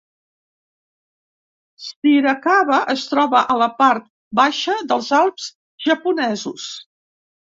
Shirakawa es troba a la part baixa dels Alps japonesos.